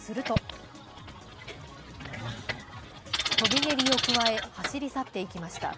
すると飛び蹴りを加え走り去っていきました。